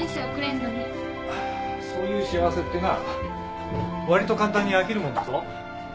そういう幸せってなわりと簡単に飽きるもんだぞ